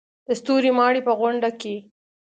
د ستوري ماڼۍ په غونډه کې.